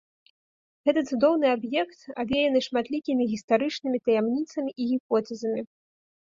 Гэты цудоўны аб'ект авеяны шматлікімі гістарычнымі таямніцамі і гіпотэзамі.